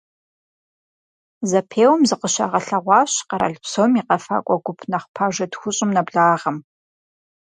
Зэпеуэм зыкъыщагъэлъэгъуащ къэрал псом и къэфакӀуэ гуп нэхъ пажэ тхущӀым нэблагъэм.